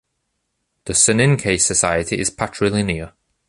The Soninke society is patrilinear.